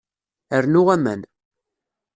Rnu aman.